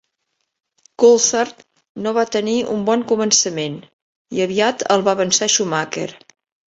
Coulthard no va tenir un bon començament i aviat el va avançar Schumacher.